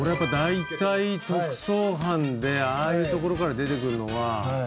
大体特捜班でああいう所から出てくるのは。